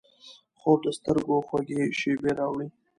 خوب د سترګو خوږې شیبې راوړي